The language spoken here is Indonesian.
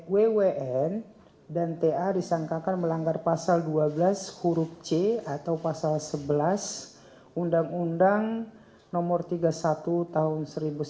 wwn dan ta disangkakan melanggar pasal dua belas huruf c atau pasal sebelas undang undang no tiga puluh satu tahun seribu sembilan ratus sembilan puluh